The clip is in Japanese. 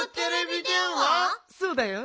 そうだよ。